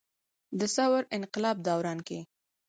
د ثور انقلاب دوران کښې